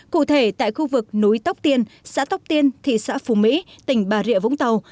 cụ thể tại khu vực núi tóc tiên xã tóc tiên thị xã phú mỹ tỉnh bà rịa vũng tàu